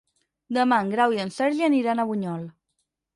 Demà en Grau i en Sergi aniran a Bunyol.